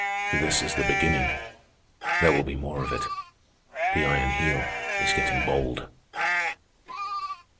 "This is the beginning. There will be more of it. The Iron Heel is getting bold."